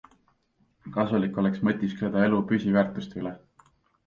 Kasulik oleks mõtiskleda elu püsiväärtuste üle.